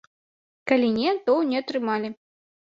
Калі не, то не атрымалі.